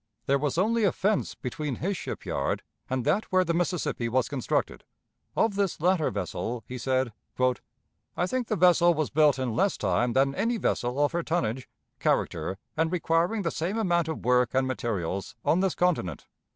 There was only a fence between his shipyard and that where the Mississippi was constructed. Of this latter vessel he said: "I think the vessel was built in less time than any vessel of her tonnage, character, and requiring the same amount of work and materials, on this continent.